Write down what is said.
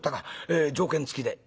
「ええ条件付きで」。